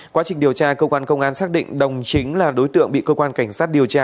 quá trình điều tra công an công an xác định đồng chính là đối tượng bị công an cảnh sát điều tra